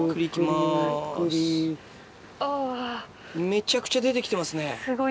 めちゃくちゃ出て来てますね。